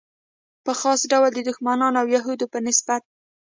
په خاص ډول د دښمنانو او یهودو په نسبت.